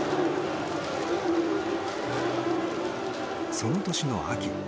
その年の秋。